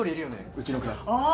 うちのクラスあ！